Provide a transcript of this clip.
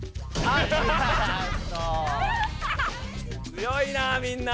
強いなみんな。